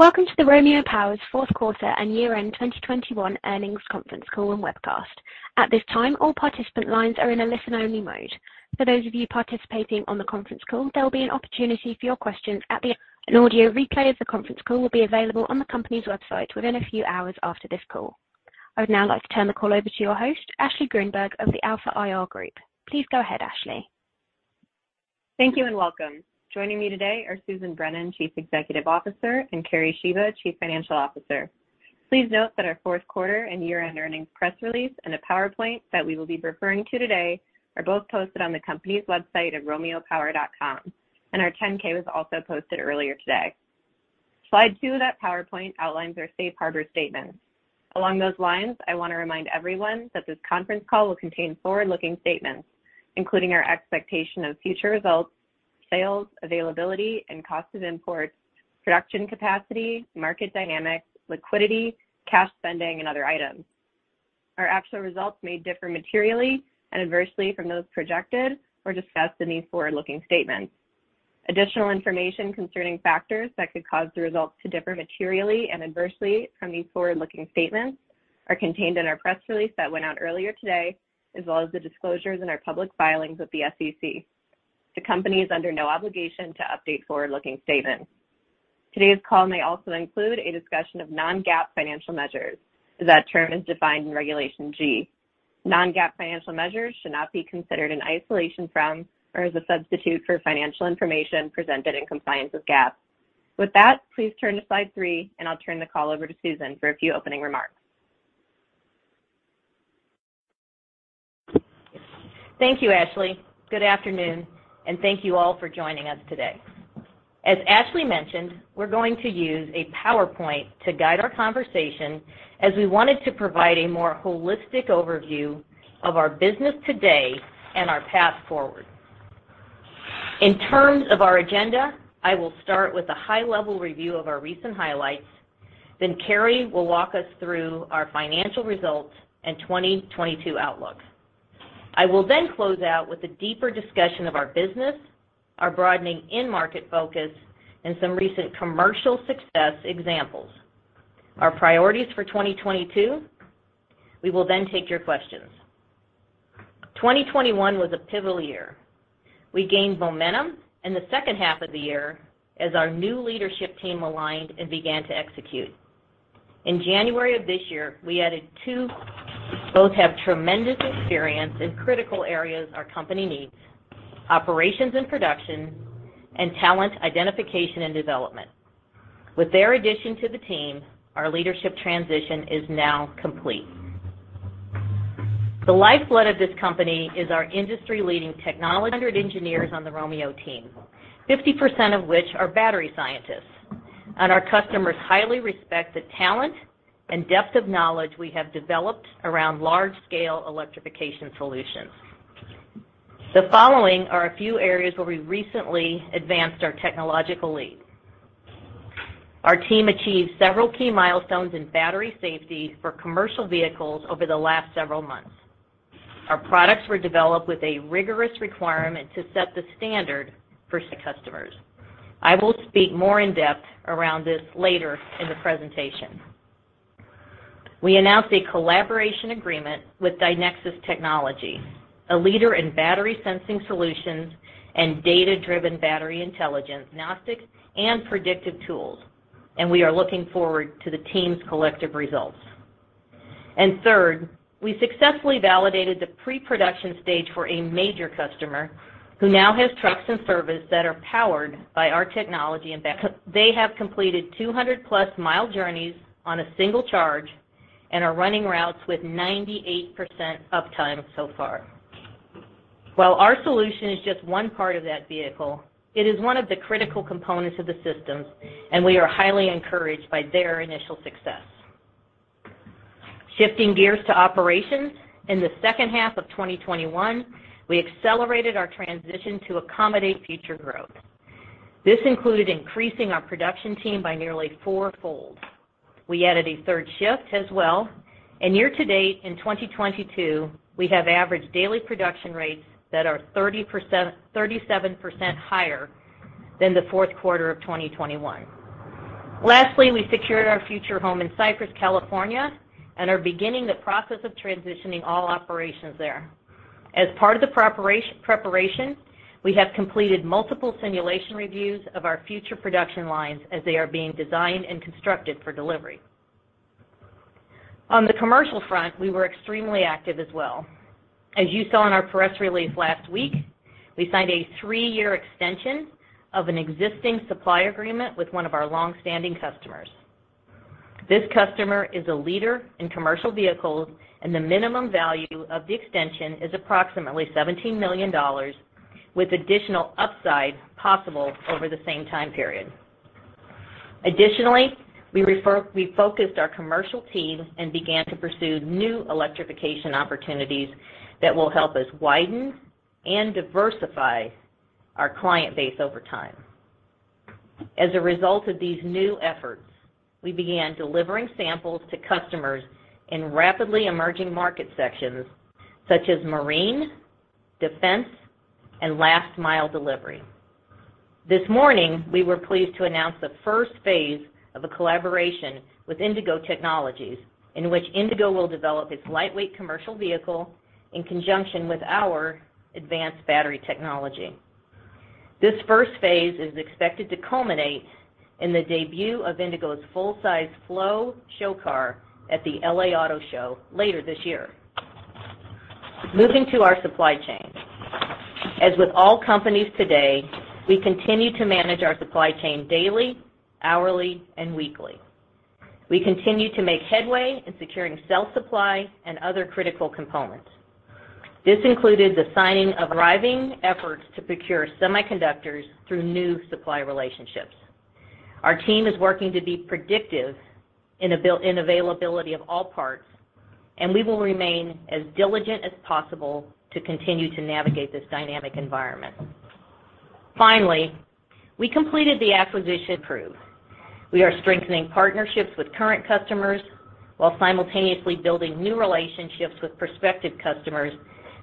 Welcome to Romeo Power's fourth quarter and year-end 2021 earnings conference call and webcast. At this time, all participant lines are in a listen-only mode. For those of you participating on the conference call, there will be an opportunity for your questions. An audio replay of the conference call will be available on the company's website within a few hours after this call. I would now like to turn the call over to your host, Ashley Gruenberg of the Alpha IR Group. Please go ahead, Ashley. Thank you, and welcome. Joining me today are Susan Brennan, Chief Executive Officer, and Kerry Shiba, Chief Financial Officer. Please note that our fourth quarter and year-end earnings press release and the PowerPoint that we will be referring to today are both posted on the company's website at romeopower.com, and our 10-K was also posted earlier today. Slide 2 of that PowerPoint outlines our safe harbor statements. Along those lines, I wanna remind everyone that this conference call will contain forward-looking statements, including our expectation of future results, sales, availability and cost of imports, production capacity, market dynamics, liquidity, cash spending, and other items. Our actual results may differ materially and adversely from those projected or discussed in these forward-looking statements. Additional information concerning factors that could cause the results to differ materially and adversely from these forward-looking statements are contained in our press release that went out earlier today, as well as the disclosures in our public filings with the SEC. The company is under no obligation to update forward-looking statements. Today's call may also include a discussion of non-GAAP financial measures, as that term is defined in Regulation G. Non-GAAP financial measures should not be considered in isolation from or as a substitute for financial information presented in compliance with GAAP. With that, please turn to Slide 3, and I'll turn the call over to Susan for a few opening remarks. Thank you, Ashley. Good afternoon, and thank you all for joining us today. As Ashley mentioned, we're going to use a PowerPoint to guide our conversation as we wanted to provide a more holistic overview of our business today and our path forward. In terms of our agenda, I will start with a high-level review of our recent highlights, then Kerry will walk us through our financial results and 2022 outlook. I will then close out with a deeper discussion of our business, our broadening end market focus, and some recent commercial success examples. Our priorities for 2022. We will then take your questions. 2021 was a pivotal year. We gained momentum in the second half of the year as our new leadership team aligned and began to execute. In January of this year, we added two. Both have tremendous experience in critical areas our company needs, operations and production and talent identification and development. With their addition to the team, our leadership transition is now complete. The lifeblood of this company is our industry-leading technology, 100 engineers on the Romeo team, 50% of which are battery scientists, and our customers highly respect the talent and depth of knowledge we have developed around large-scale electrification solutions. The following are a few areas where we recently advanced our technological lead. Our team achieved several key milestones in battery safety for commercial vehicles over the last several months. Our products were developed with a rigorous requirement to set the standard for customers. I will speak more in-depth around this later in the presentation. We announced a collaboration agreement with Dynexus Technology, a leader in battery sensing solutions and data-driven battery intelligence, diagnostic and predictive tools, and we are looking forward to the team's collective results. Third, we successfully validated the pre-production stage for a major customer who now has trucks and service that are powered by our technology and they have completed 200-plus mile journeys on a single charge and are running routes with 98% uptime so far. While our solution is just one part of that vehicle, it is one of the critical components of the systems, and we are highly encouraged by their initial success. Shifting gears to operations, in the second half of 2021, we accelerated our transition to accommodate future growth. This included increasing our production team by nearly four-fold. We added a third shift as well, and year to date in 2022, we have averaged daily production rates that are 37% higher than the fourth quarter of 2021. Lastly, we secured our future home in Cypress, California, and are beginning the process of transitioning all operations there. As part of the preparation, we have completed multiple simulation reviews of our future production lines as they are being designed and constructed for delivery. On the commercial front, we were extremely active as well. As you saw in our press release last week, we signed a 3-year extension of an existing supply agreement with one of our long-standing customers. This customer is a leader in commercial vehicles, and the minimum value of the extension is approximately $17 million, with additional upside possible over the same time period. We focused our commercial team and began to pursue new electrification opportunities that will help us widen and diversify our client base over time. As a result of these new efforts, we began delivering samples to customers in rapidly emerging market sections such as marine, defense, and last mile delivery. This morning, we were pleased to announce the first phase of a collaboration with Indigo Technologies, in which Indigo will develop its lightweight commercial vehicle in conjunction with our advanced battery technology. This first phase is expected to culminate in the debut of Indigo's full-size flow show car at the L.A. Auto Show later this year. Moving to our supply chain. As with all companies today, we continue to manage our supply chain daily, hourly, and weekly. We continue to make headway in securing cell supply and other critical components. This included the signing of various efforts to procure semiconductors through new supply relationships. Our team is working to be predictive in availability of all parts, and we will remain as diligent as possible to continue to navigate this dynamic environment. Finally, we completed the acquisition. We are strengthening partnerships with current customers while simultaneously building new relationships with prospective customers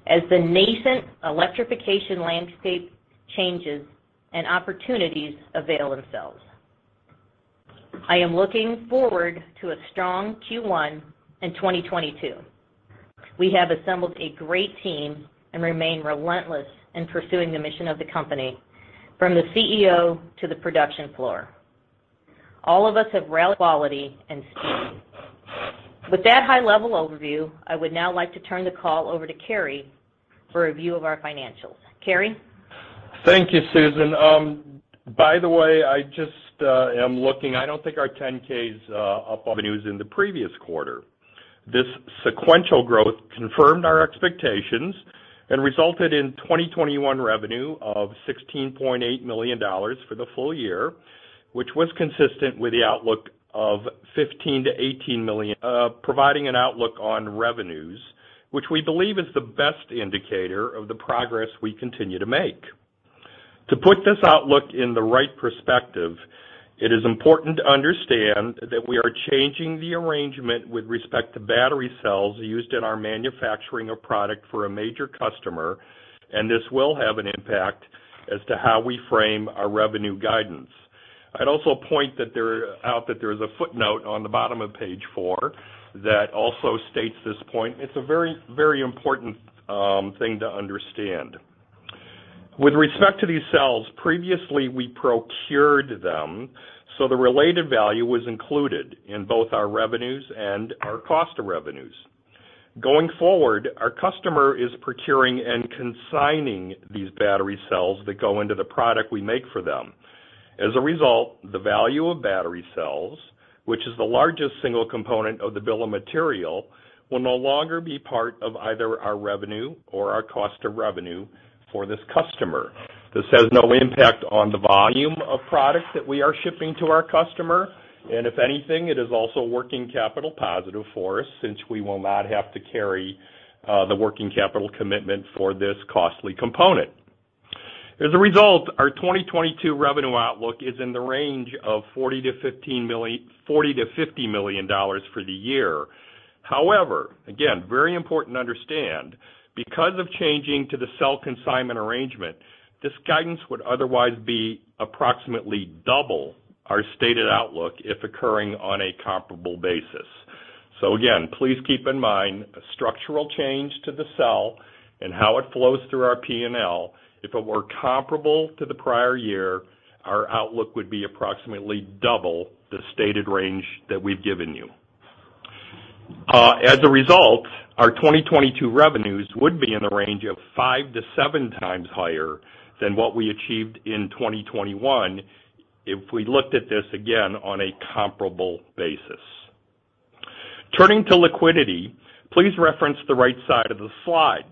as the nascent electrification landscape changes and opportunities avail themselves. I am looking forward to a strong Q1 in 2022. We have assembled a great team and remain relentless in pursuing the mission of the company, from the CEO to the production floor. All of us have rallied quality and speed. With that high-level overview, I would now like to turn the call over to Kerry for a view of our financials. Kerry? Thank you, Susan. By the way, I don't think our 10-K is up yet. Revenues in the previous quarter this sequential growth confirmed our expectations and resulted in 2021 revenue of $16.8 million for the full year, which was consistent with the outlook of $15 million-$18 million, providing an outlook on revenues, which we believe is the best indicator of the progress we continue to make. To put this outlook in the right perspective, it is important to understand that we are changing the arrangement with respect to battery cells used in our manufacturing a product for a major customer, and this will have an impact as to how we frame our revenue guidance. I'd also point out that there is a footnote on the bottom of page four that also states this point. It's a very, very important thing to understand. With respect to these cells, previously, we procured them, so the related value was included in both our revenues and our cost of revenues. Going forward, our customer is procuring and consigning these battery cells that go into the product we make for them. As a result, the value of battery cells, which is the largest single component of the bill of material, will no longer be part of either our revenue or our cost of revenue for this customer. This has no impact on the volume of product that we are shipping to our customer. If anything, it is also working capital positive for us since we will not have to carry the working capital commitment for this costly component. As a result, our 2022 revenue outlook is in the range of $40 million-$50 million for the year. However, again, very important to understand, because of changing to the cell consignment arrangement, this guidance would otherwise be approximately double our stated outlook if occurring on a comparable basis. Again, please keep in mind a structural change to the cell and how it flows through our P&L. If it were comparable to the prior year, our outlook would be approximately double the stated range that we've given you. As a result, our 2022 revenues would be in the range of 5-7 times higher than what we achieved in 2021 if we looked at this, again, on a comparable basis. Turning to liquidity, please reference the right side of the slide.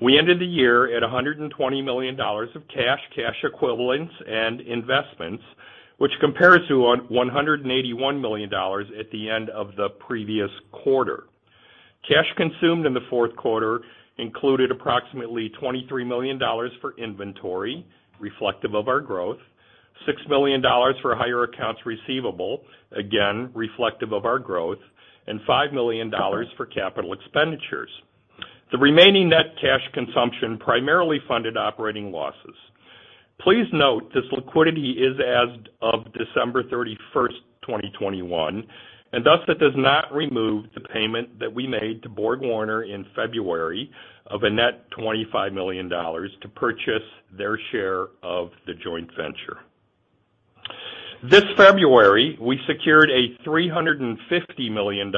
We ended the year at $120 million of cash equivalents, and investments, which compares to $181 million at the end of the previous quarter. Cash consumed in the fourth quarter included approximately $23 million for inventory, reflective of our growth, $6 million for higher accounts receivable, again, reflective of our growth, and $5 million for capital expenditures. The remaining net cash consumption primarily funded operating losses. Please note this liquidity is as of December 31st, 2021, and thus it does not remove the payment that we made to BorgWarner in February of a net $25 million to purchase their share of the joint venture. This February, we secured a $350 million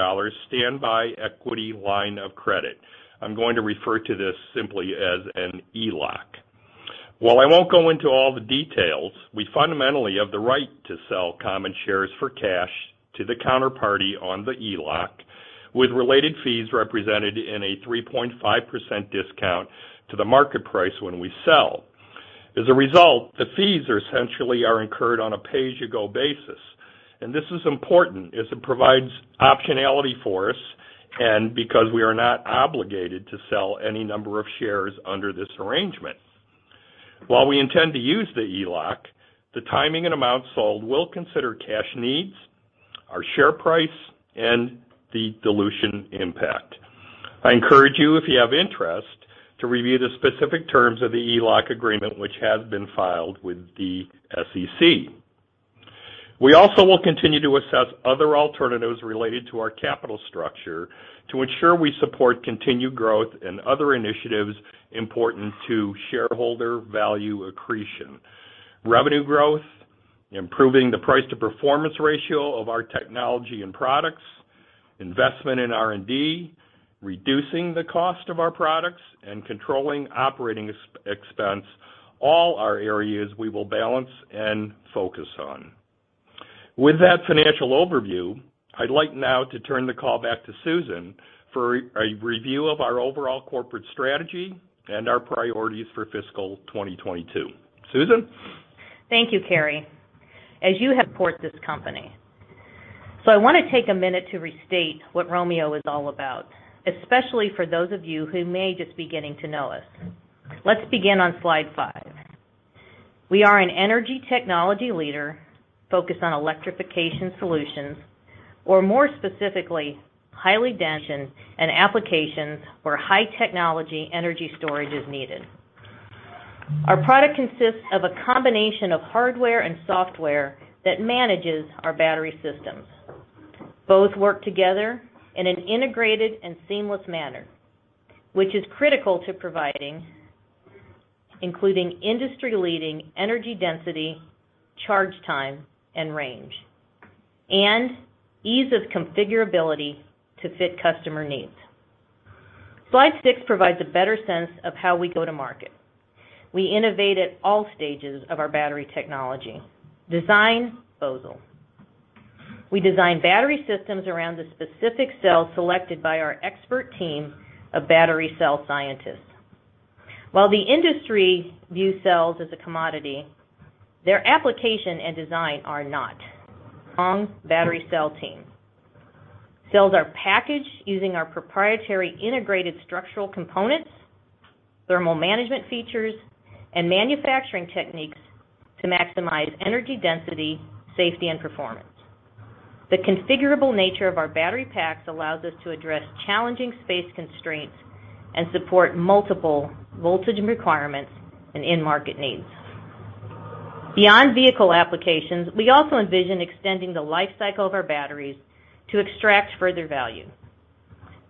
standby equity line of credit. I'm going to refer to this simply as an ELOC. While I won't go into all the details, we fundamentally have the right to sell common shares for cash to the counterparty on the ELOC, with related fees represented in a 3.5% discount to the market price when we sell. As a result, the fees are essentially incurred on a pay-as-you-go basis. This is important as it provides optionality for us and because we are not obligated to sell any number of shares under this arrangement. While we intend to use the ELOC, the timing and amount sold will consider cash needs, our share price and the dilution impact. I encourage you, if you have interest, to review the specific terms of the ELOC agreement which has been filed with the SEC. We also will continue to assess other alternatives related to our capital structure to ensure we support continued growth and other initiatives important to shareholder value accretion. Revenue growth, improving the price to performance ratio of our technology and products, investment in R&D, reducing the cost of our products, and controlling operating expense, all are areas we will balance and focus on. With that financial overview, I'd like now to turn the call back to Susan for a review of our overall corporate strategy and our priorities for fiscal 2022. Susan? Thank you, Kerry. As you know this company, I want to take a minute to restate what Romeo is all about, especially for those of you who may be just beginning to know us. Let's begin on Slide 5. We are an energy technology leader focused on electrification solutions, or more specifically, high-end applications where high technology energy storage is needed. Our product consists of a combination of hardware and software that manages our battery systems. Both work together in an integrated and seamless manner, which is critical to providing, including industry-leading energy density, charge time, and range, and ease of configurability to fit customer needs. Slide 6 provides a better sense of how we go to market. We innovate at all stages of our battery technology design process. We design battery systems around the specific cells selected by our expert team of battery cell scientists. While the industry views cells as a commodity, their application and design are not. Battery cell team. Cells are packaged using our proprietary integrated structural components, thermal management features, and manufacturing techniques to maximize energy density, safety, and performance. The configurable nature of our battery packs allows us to address challenging space constraints and support multiple voltage requirements and end market needs. Beyond vehicle applications, we also envision extending the life cycle of our batteries to extract further value.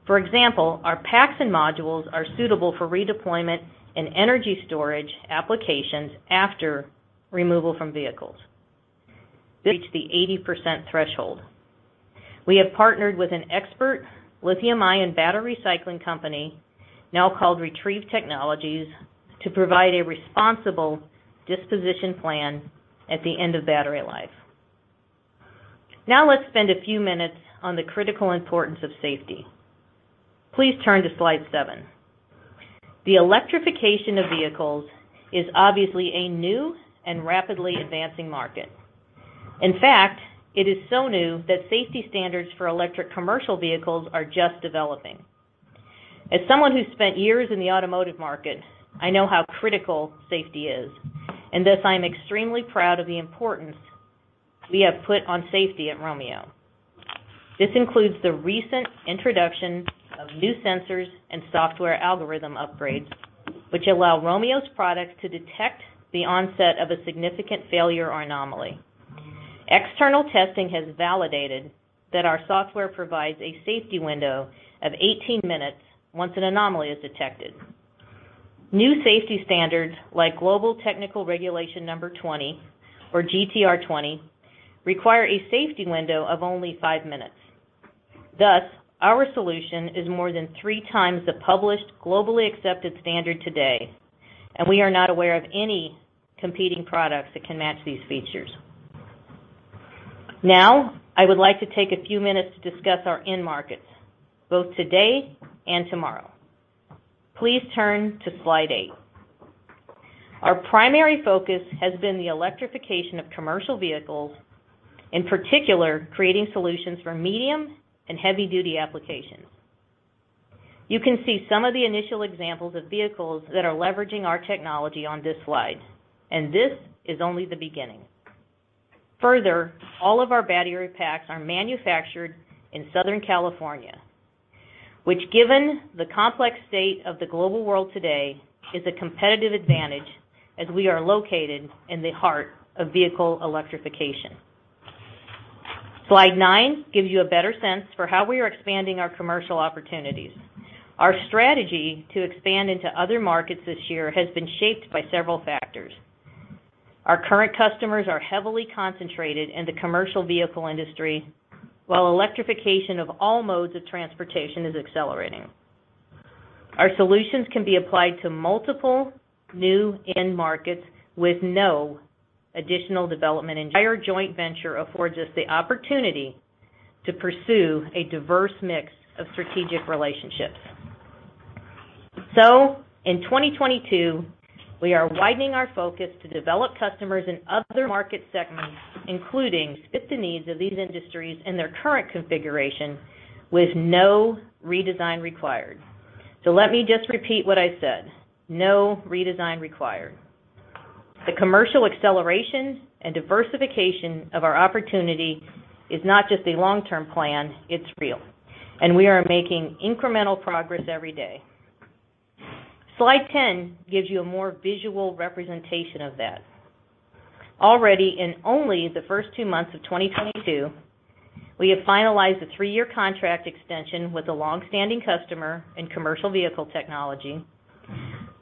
For example, our packs and modules are suitable for redeployment in energy storage applications after removal from vehicles. They reach the 80% threshold. We have partnered with an expert lithium-ion battery recycling company, now called Retriev Technologies, to provide a responsible disposition plan at the end of battery life. Now, let's spend a few minutes on the critical importance of safety. Please turn to Slide 7. The electrification of vehicles is obviously a new and rapidly advancing market. In fact, it is so new that safety standards for electric commercial vehicles are just developing. As someone who's spent years in the automotive market, I know how critical safety is, and thus I am extremely proud of the importance we have put on safety at Romeo. This includes the recent introduction of new sensors and software algorithm upgrades, which allow Romeo's products to detect the onset of a significant failure or anomaly. External testing has validated that our software provides a safety window of 18 minutes once an anomaly is detected. New safety standards like Global Technical Regulation number 20 or GTR 20 require a safety window of only five minutes. Thus, our solution is more than three times the published globally accepted standard today, and we are not aware of any competing products that can match these features. Now, I would like to take a few minutes to discuss our end markets, both today and tomorrow. Please turn to slide eight. Our primary focus has been the electrification of commercial vehicles, in particular, creating solutions for medium- and heavy-duty applications. You can see some of the initial examples of vehicles that are leveraging our technology on this slide, and this is only the beginning. Further, all of our battery packs are manufactured in Southern California, which, given the complex state of the global world today, is a competitive advantage as we are located in the heart of vehicle electrification. Slide nine gives you a better sense for how we are expanding our commercial opportunities. Our strategy to expand into other markets this year has been shaped by several factors. Our current customers are heavily concentrated in the commercial vehicle industry while electrification of all modes of transportation is accelerating. Our solutions can be applied to multiple new end markets with no additional development. The joint venture affords us the opportunity to pursue a diverse mix of strategic relationships. In 2022, we are widening our focus to develop customers in other market segments, including those that fit the needs of these industries in their current configuration with no redesign required. Let me just repeat what I said. No redesign required. The commercial acceleration and diversification of our opportunity is not just a long-term plan, it's real, and we are making incremental progress every day. Slide 10 gives you a more visual representation of that. Already, in only the first 2 months of 2022, we have finalized a 3-year contract extension with a long-standing customer in commercial vehicle technology,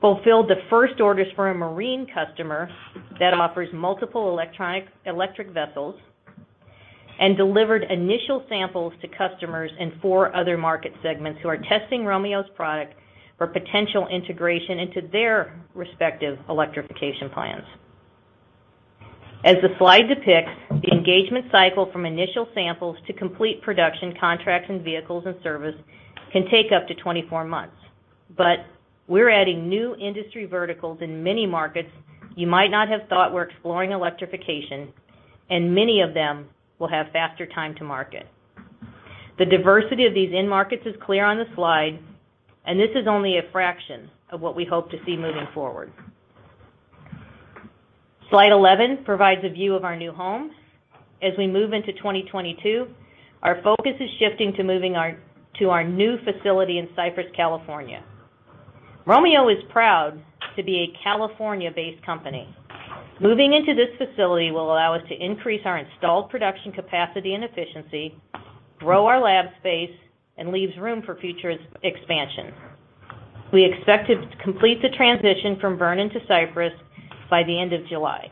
fulfilled the first orders for a marine customer that offers multiple electric vessels, and delivered initial samples to customers in 4 other market segments who are testing Romeo's product for potential integration into their respective electrification plans. As the slide depicts, the engagement cycle from initial samples to complete production contracts and vehicles and service can take up to 24 months. We're adding new industry verticals in many markets you might not have thought were exploring electrification, and many of them will have faster time to market. The diversity of these end markets is clear on the slide, and this is only a fraction of what we hope to see moving forward. Slide 11 provides a view of our new home. As we move into 2022, our focus is shifting to our new facility in Cypress, California. Romeo is proud to be a California-based company. Moving into this facility will allow us to increase our installed production capacity and efficiency, grow our lab space, and leaves room for future expansion. We expect to complete the transition from Vernon to Cypress by the end of July.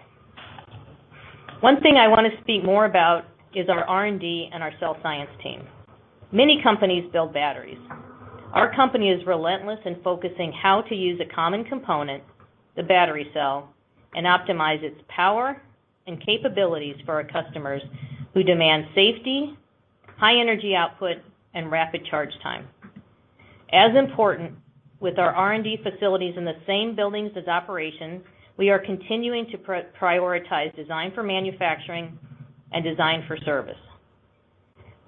One thing I wanna speak more about is our R&D and our cell science team. Many companies build batteries. Our company is relentless in focusing how to use a common component, the battery cell, and optimize its power and capabilities for our customers who demand safety, high energy output, and rapid charge time. As important, with our R&D facilities in the same buildings as operations, we are continuing to prioritize design for manufacturing and design for service.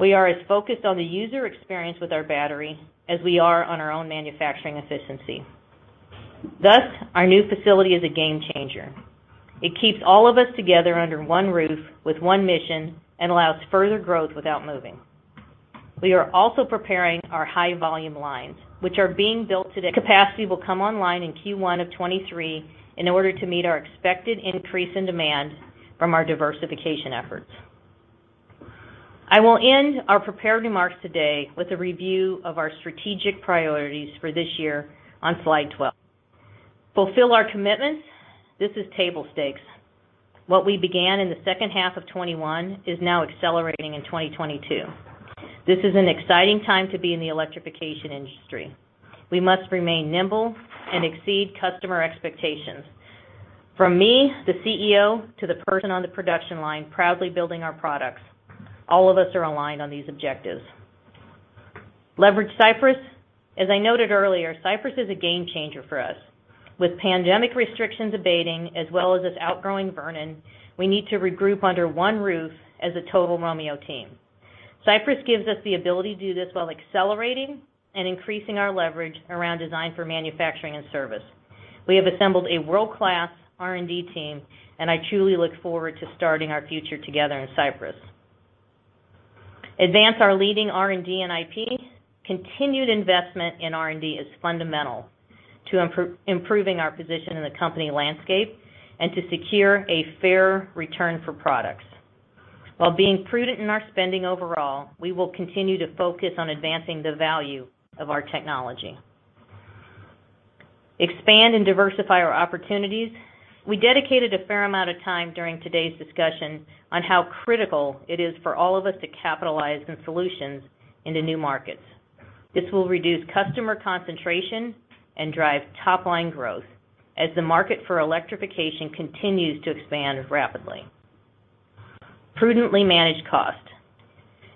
We are as focused on the user experience with our battery as we are on our own manufacturing efficiency. Thus, our new facility is a game changer. It keeps all of us together under one roof with one mission, and allows further growth without moving. We are also preparing our high volume lines, which are being built today. Capacity will come online in Q1 of 2023 in order to meet our expected increase in demand from our diversification efforts. I will end our prepared remarks today with a review of our strategic priorities for this year on Slide 12. Fulfill our commitments. This is table stakes. What we began in the second half of 2021 is now accelerating in 2022. This is an exciting time to be in the electrification industry. We must remain nimble and exceed customer expectations. From me, the CEO, to the person on the production line proudly building our products, all of us are aligned on these objectives. Leverage Cypress. As I noted earlier, Cypress is a game changer for us. With pandemic restrictions abating as well as us outgrowing Vernon, we need to regroup under one roof as a total Romeo team. Cypress gives us the ability to do this while accelerating and increasing our leverage around design for manufacturing and service. We have assembled a world-class R&D team, and I truly look forward to starting our future together in Cypress. Advance our leading R&D and IP. Continued investment in R&D is fundamental to improving our position in the company landscape and to secure a fair return for products. While being prudent in our spending overall, we will continue to focus on advancing the value of our technology. Expand and diversify our opportunities. We dedicated a fair amount of time during today's discussion on how critical it is for all of us to capitalize on solutions into new markets. This will reduce customer concentration and drive top line growth as the market for electrification continues to expand rapidly. Prudently manage cost.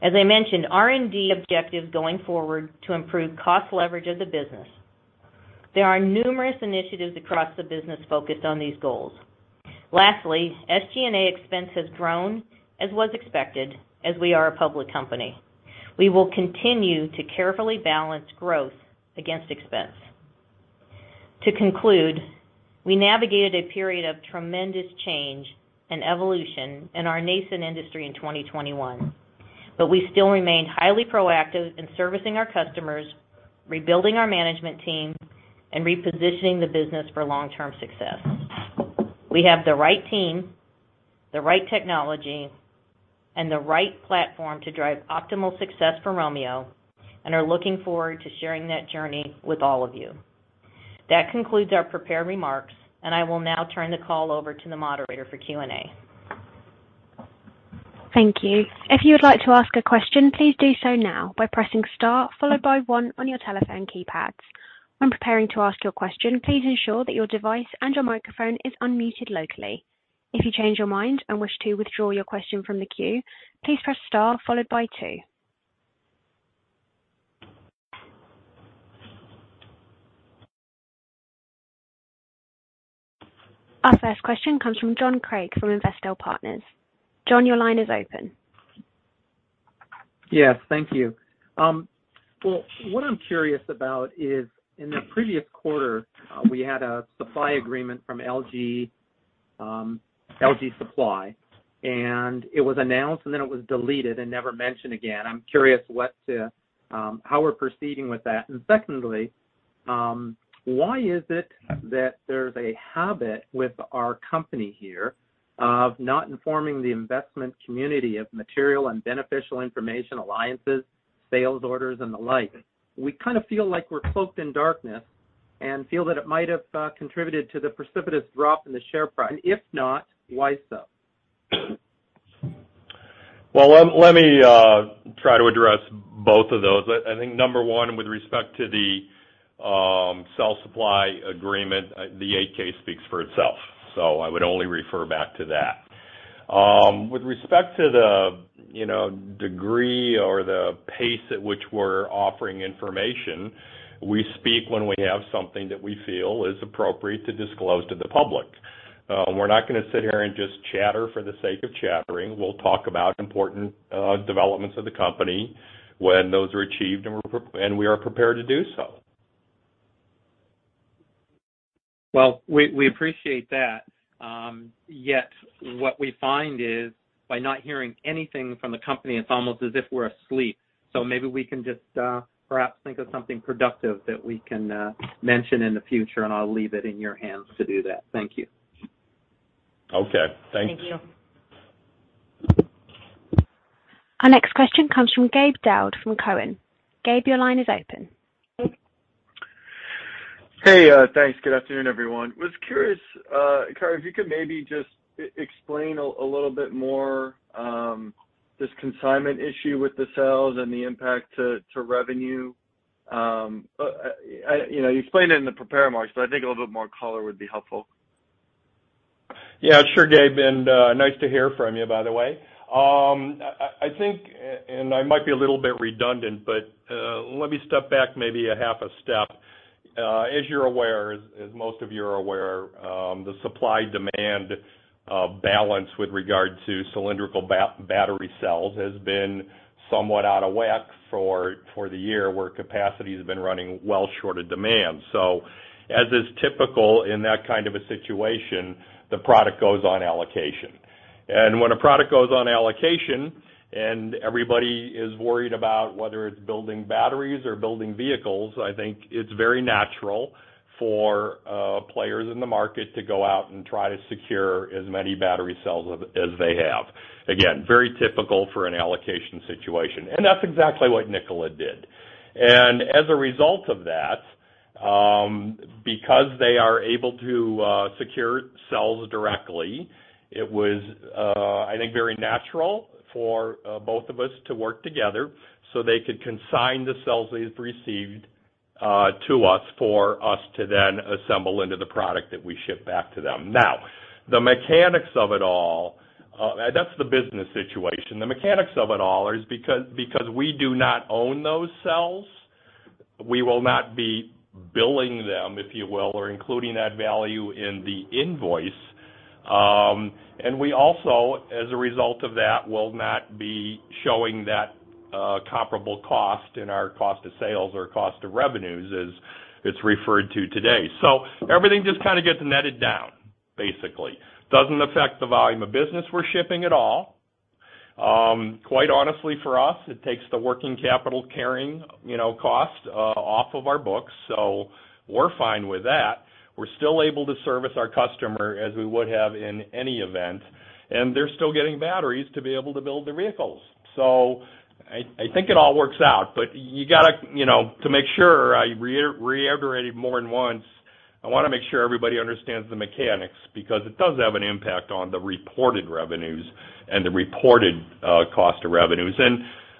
As I mentioned, R&D objectives going forward to improve cost leverage of the business. There are numerous initiatives across the business focused on these goals. Lastly, SG&A expense has grown, as was expected, as we are a public company. We will continue to carefully balance growth against expense. To conclude, we navigated a period of tremendous change and evolution in our nascent industry in 2021, but we still remain highly proactive in servicing our customers, rebuilding our management team, and repositioning the business for long-term success. We have the right team, the right technology, and the right platform to drive optimal success for Romeo, and are looking forward to sharing that journey with all of you. That concludes our prepared remarks, and I will now turn the call over to the moderator for Q&A. Thank you. If you would like to ask a question, please do so now by pressing star followed by one on your telephone keypads. When preparing to ask your question, please ensure that your device and your microphone is unmuted locally. If you change your mind and wish to withdraw your question from the queue, please press star followed by two. Our first question comes from John Craig from Investel Partners. John, your line is open. Yes, thank you. Well, what I'm curious about is in the previous quarter, we had a supply agreement from LG Supply, and it was announced and then it was deleted and never mentioned again. I'm curious how we're proceeding with that. Secondly, why is it that there's a habit with our company here of not informing the investment community of material and beneficial information, alliances, sales orders, and the like? We kind of feel like we're cloaked in darkness and feel that it might have contributed to the precipitous drop in the share price. If not, why so? Well, let me try to address both of those. I think number one, with respect to the cell supply agreement, the 8-K speaks for itself, so I would only refer back to that. With respect to the, you know, degree or the pace at which we're offering information, we speak when we have something that we feel is appropriate to disclose to the public. We're not gonna sit here and just chatter for the sake of chattering. We'll talk about important developments of the company when those are achieved and we are prepared to do so. Well, we appreciate that. Yet what we find is by not hearing anything from the company, it's almost as if we're asleep. Maybe we can just perhaps think of something productive that we can mention in the future, and I'll leave it in your hands to do that. Thank you. Okay. Thank you. Thank you. Our next question comes from Gabriel Daoud from Cowen. Gabe, your line is open. Hey, thanks. Good afternoon, everyone. I was curious, Kerry, if you could maybe just explain a little bit more, this consignment issue with the cells and the impact to revenue. You know, you explained it in the prepared remarks, but I think a little bit more color would be helpful. Yeah, sure, Gabe, nice to hear from you, by the way. I think, and I might be a little bit redundant, but, let me step back maybe a half a step. As you're aware, as most of you are aware, the supply-demand balance with regard to cylindrical battery cells has been somewhat out of whack for the year, where capacity has been running well short of demand. As is typical in that kind of a situation, the product goes on allocation. When a product goes on allocation, and everybody is worried about whether it's building batteries or building vehicles, I think it's very natural for players in the market to go out and try to secure as many battery cells as they have. Again, very typical for an allocation situation. That's exactly what Nikola did. As a result of that, because they are able to secure cells directly, it was, I think, very natural for both of us to work together so they could consign the cells they've received to us for us to then assemble into the product that we ship back to them. Now, the mechanics of it all, that's the business situation. The mechanics of it all is because we do not own those cells, we will not be billing them, if you will, or including that value in the invoice. We also, as a result of that, will not be showing that comparable cost in our cost of sales or cost of revenues as it's referred to today. Everything just kind of gets netted down, basically. Doesn't affect the volume of business we're shipping at all. Quite honestly, for us, it takes the working capital carrying, you know, cost off of our books, so we're fine with that. We're still able to service our customer as we would have in any event, and they're still getting batteries to be able to build their vehicles. I think it all works out. You gotta, you know, to make sure I reiterate it more than once, I wanna make sure everybody understands the mechanics because it does have an impact on the reported revenues and the reported cost of revenues.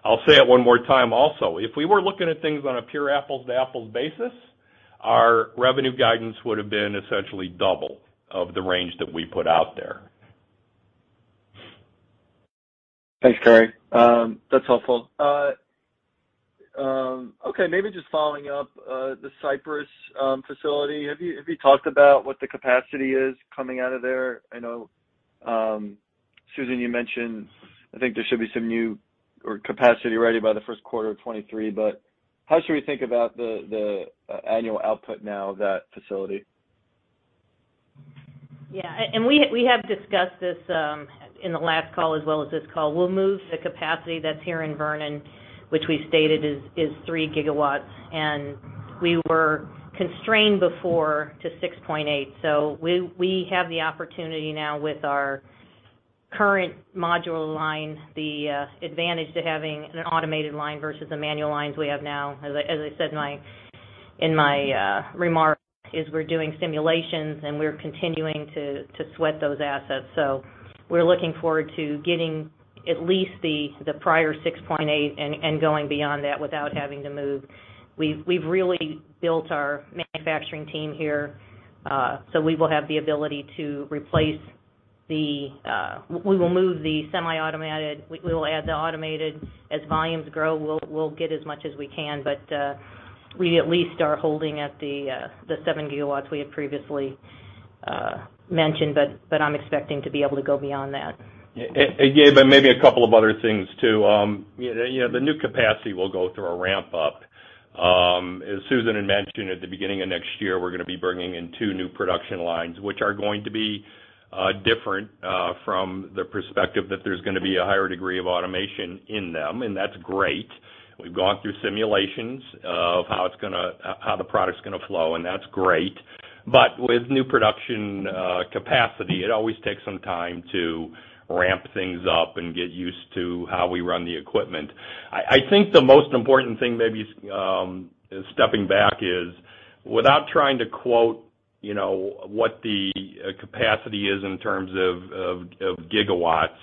I'll say it one more time also, if we were looking at things on a pure apples-to-apples basis, our revenue guidance would have been essentially double of the range that we put out there. Thanks, Kerry. That's helpful. Okay, maybe just following up, the Cypress facility. Have you talked about what the capacity is coming out of there? I know, Susan, you mentioned I think there should be some new or capacity ready by the first quarter of 2023, but how should we think about the annual output now of that facility? We have discussed this in the last call as well as this call. We'll move the capacity that's here in Vernon, which we stated is 3 GW, and we were constrained before to 6.8. We have the opportunity now with our current module line, the advantage to having an automated line versus the manual lines we have now. As I said in my remarks, we're doing simulations, and we're continuing to sweat those assets. We're looking forward to getting at least the prior 6.8 and going beyond that without having to move. We've really built our manufacturing team here, so we will have the ability to replace the. We will move the semi-automated. We will add the automated. As volumes grow, we'll get as much as we can. We at least are holding at the 7 GW we had previously. As mentioned, but I'm expecting to be able to go beyond that. Yeah. Gabe, maybe a couple of other things too. You know, the new capacity will go through a ramp-up. As Susan had mentioned, at the beginning of next year, we're gonna be bringing in two new production lines, which are going to be different from the perspective that there's gonna be a higher degree of automation in them, and that's great. We've gone through simulations of how the product's gonna flow, and that's great. With new production capacity, it always takes some time to ramp things up and get used to how we run the equipment. I think the most important thing maybe is stepping back without trying to quote, you know, what the capacity is in terms of gigawatts,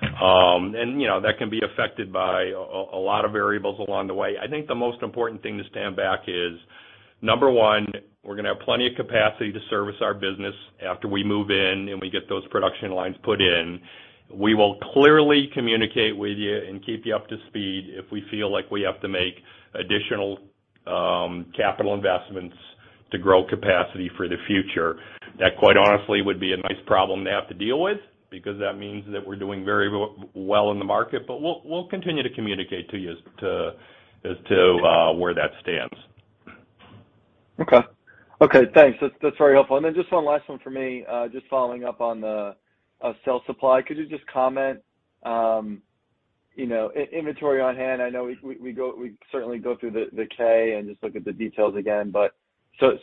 and, you know, that can be affected by a lot of variables along the way. I think the most important thing to stand back is, number one, we're gonna have plenty of capacity to service our business after we move in and we get those production lines put in. We will clearly communicate with you and keep you up to speed if we feel like we have to make additional capital investments to grow capacity for the future. That, quite honestly, would be a nice problem to have to deal with because that means that we're doing very well in the market. We'll continue to communicate to you as to where that stands. Okay. Okay, thanks. That's very helpful. Then just one last one for me, just following up on the cell supply. Could you just comment, you know, inventory on hand? I know we certainly go through the 10-K and just look at the details again, but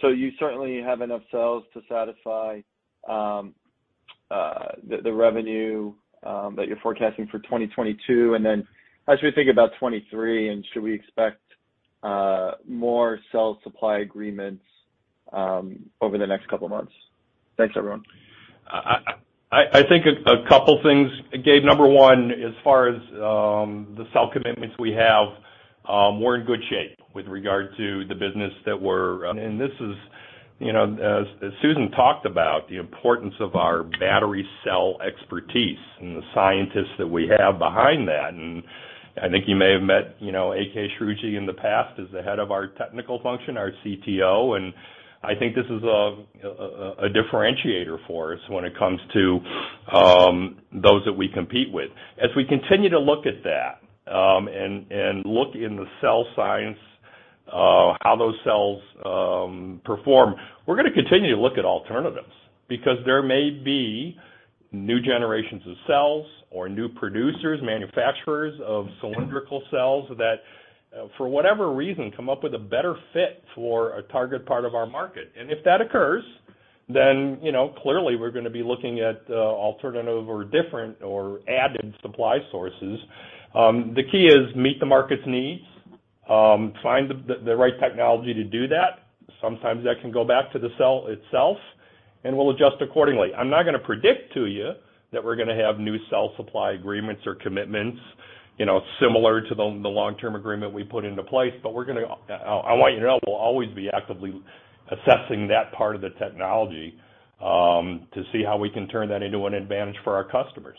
so you certainly have enough cells to satisfy the revenue that you're forecasting for 2022. Then as we think about 2023, should we expect more cell supply agreements over the next couple of months? Thanks, everyone. I think a couple things, Gabe. Number one, as far as the cell commitments we have, we're in good shape with regard to the business. This is, you know, as Susan talked about, the importance of our battery cell expertise and the scientists that we have behind that. I think you may have met, you know, AK Srouji in the past as the head of our technical function, our CTO. I think this is a differentiator for us when it comes to those that we compete with. As we continue to look at that, and look in the cell science, how those cells perform, we're gonna continue to look at alternatives because there may be new generations of cells or new producers, manufacturers of cylindrical cells that, for whatever reason, come up with a better fit for a target part of our market. If that occurs, then, you know, clearly we're gonna be looking at alternative or different or added supply sources. The key is meet the market's needs, find the right technology to do that. Sometimes that can go back to the cell itself, and we'll adjust accordingly. I'm not gonna predict to you that we're gonna have new cell supply agreements or commitments, you know, similar to the long-term agreement we put into place, but we're gonna—I want you to know we'll always be actively assessing that part of the technology, to see how we can turn that into an advantage for our customers.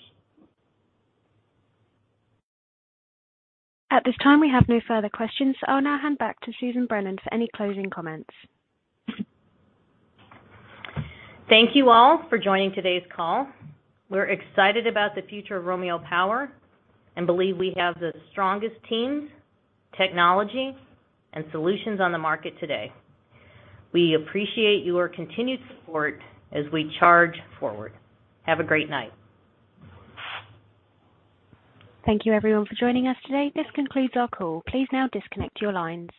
At this time, we have no further questions, so I'll now hand back to Susan Brennan for any closing comments. Thank you all for joining today's call. We're excited about the future of Romeo Power and believe we have the strongest teams, technology, and solutions on the market today. We appreciate your continued support as we charge forward. Have a great night. Thank you everyone for joining us today. This concludes our call. Please now disconnect your lines.